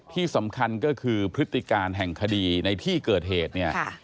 ที่สำคัญก็คือพฤติการแห่งคดีในที่เกิดเหตุเนี่ย